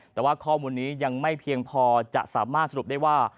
แต่ว่าข้อมูลนี้ยังไม่เพียงพอจะสามารถสรุปได้ว่า